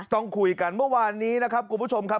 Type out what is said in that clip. ต้องคุยกันเมื่อวานนี้นะครับคุณผู้ชมครับ